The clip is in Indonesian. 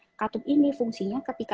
nah katup ini fungsinya ketika